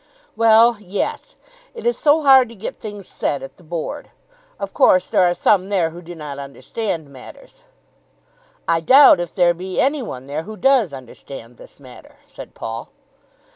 "Well, yes. It is so hard to get things said at the Board. Of course there are some there who do not understand matters." "I doubt if there be any one there who does understand this matter," said Paul.